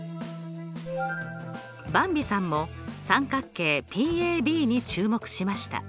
ばんびさんも三角形ＰＡＢに注目しました。